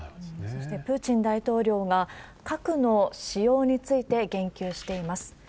そしてプーチン大統領が、核の使用について言及しています。